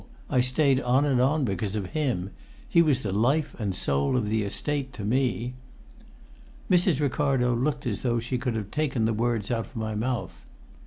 I stayed on and on because of him. He was the life and soul of the Estate to me." Mrs. Ricardo looked as though she could have taken the words out of my mouth.